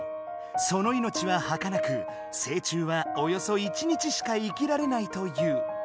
その命ははかなく成虫はおよそ１日しか生きられないという。